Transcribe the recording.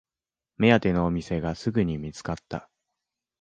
目当てのお店がすぐに見つかった